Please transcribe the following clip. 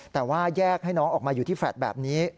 แต่ว่าแยกให้น้องออกมาอยู่ที่แฟลต์แบบนี้